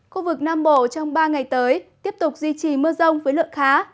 khu vực nam bộ trong ba ngày tới tiếp tục duy trì mưa rông với lượng khá